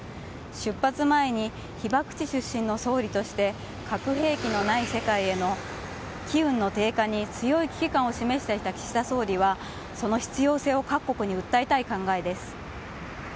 出発前に被爆地出身の総理として、核兵器のない世界への機運の低下に強い危機感を示していた岸田総理は、その必要性を各国に訴えたい考えです。